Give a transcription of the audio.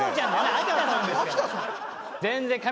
秋田さんですよ。